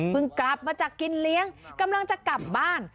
กลับมาจากกินเลี้ยงกำลังจะกลับบ้าน